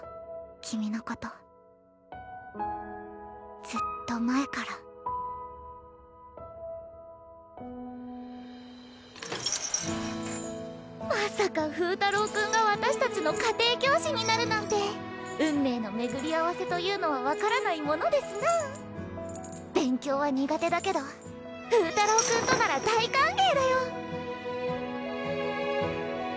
君のことずっと前からまさか風太郎君が私達の家庭教師になるなんて運命の巡り合わせというのは分からないものですな勉強は苦手だけど風太郎君となら大歓迎だよ